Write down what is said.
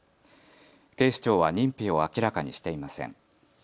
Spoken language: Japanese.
警視庁は認否を明らかにしていません。